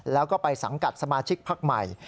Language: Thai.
แล้วก็ไปสังกัดสมาชิกพักใหม่